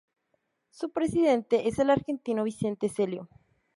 Su presidente es el argentino Vicente Celio.